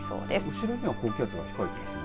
後ろには高気圧が控えていますね。